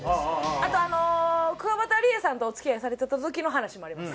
あとあのくわばたりえさんとお付き合いされてた時の話もあります。